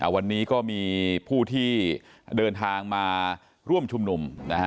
วันนี้ก็มีผู้ที่เดินทางมาร่วมชุมนุม